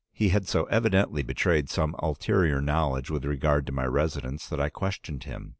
He had so evidently betrayed some ulterior knowledge with regard to my residence that I questioned him.